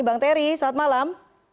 bang teri selamat malam